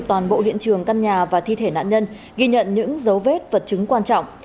toàn bộ hiện trường căn nhà và thi thể nạn nhân ghi nhận những dấu vết vật chứng quan trọng